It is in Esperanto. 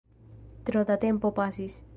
Tro da tempo pasis